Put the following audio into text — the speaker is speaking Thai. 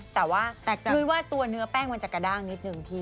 แต่ว่ารีบว่าตัวเนื้อแป้งจะกระด้างนิดนึง